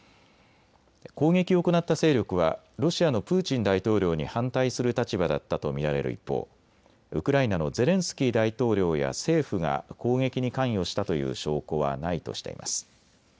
攻撃を行った勢力はロシアのプーチン大統領に反対する立場だったと見られる一方、ウクライナのゼレンスキー大統領や政府が攻撃に関与したという証拠はないとしています。